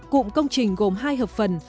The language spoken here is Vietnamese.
cụm công trình gồm hai hợp phần